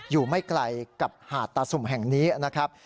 อยู่ไม่ไกลกับหาดตาสุ่มแห่งนี้นะครับ